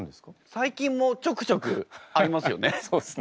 最近もちょくちょくありますよね？